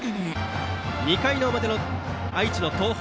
２回の表、愛知の東邦。